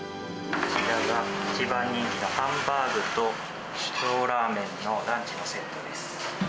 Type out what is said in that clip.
こちらが一番人気の、ハンバーグと小ラーメンのランチのセットです。